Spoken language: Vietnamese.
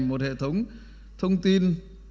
một hệ thống thông tin